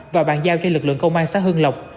và bàn giao cho lực lượng công an xã hương lộc